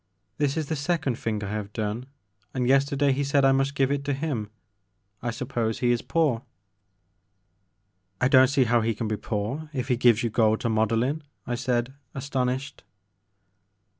This is the second thing I have done and yesterday he said I must give it to him. I suppose he is poor." I don't see how he can be poor if he gives you gold to model in," I said, astonished.